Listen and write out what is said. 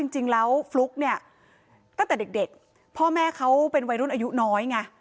จริงแล้วฟลุ๊กเนี่ยตั้งแต่เด็กพ่อแม่เขาเป็นวัยรุ่นอายุน้อยไง